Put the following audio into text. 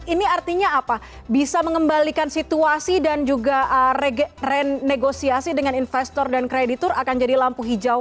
ini artinya apa bisa mengembalikan situasi dan juga renegosiasi dengan investor dan kreditur akan jadi lampu hijau